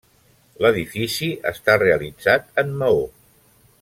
L'edifici està realitzat en maó.